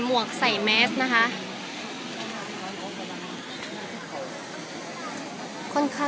มวกใส่นะคะ